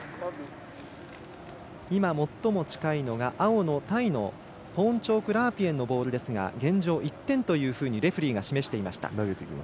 最も近いのが青のタイのポーンチョーク・ラープイェンのボールですが現状、１点というふうにレフェリーが示してきました。